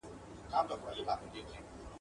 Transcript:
لکه سیوری داسي ورک سوم تا لا نه یم پېژندلی !.